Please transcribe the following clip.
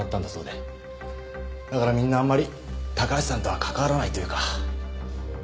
だからみんなあんまり高橋さんとは関わらないというか。